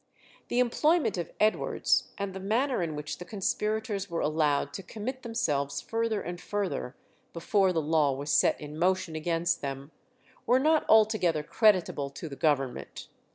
The employment of Edwards, and the manner in which the conspirators were allowed to commit themselves further and further before the law was set in motion against them, were not altogether creditable to the Government.